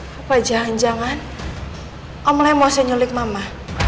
papa jangan jangan om lemos yang nyulik mama